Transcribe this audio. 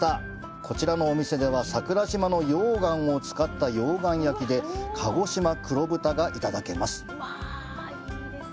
こちらのお店では、桜島の溶岩を使った溶岩焼で鹿児島黒豚がいただけます。